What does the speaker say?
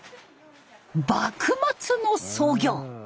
幕末の創業。